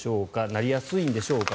なりやすいんでしょうか。